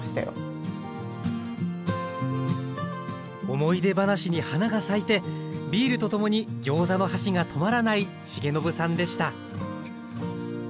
思い出話に花が咲いてビールと共にギョーザの箸が止まらない重信さんでした